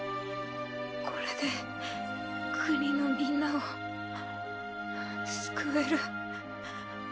これで国のみんなを救える。